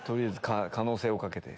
可能性をかけて。